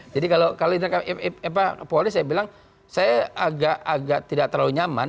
jadi kalau internal polri saya bilang saya agak tidak terlalu nyaman